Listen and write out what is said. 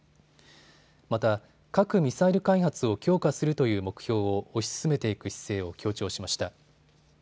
また、核・ミサイル開発を強化するという目標を推し進めていく姿勢を強調しました。